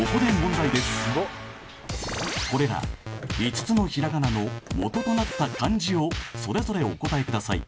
これら５つのひらがなの元となった漢字をそれぞれお答えください。